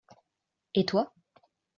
Et toi ?